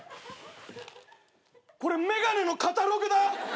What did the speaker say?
これ眼鏡のカタログだ。